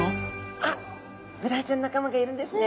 あっブダイちゃんの仲間がいるんですね。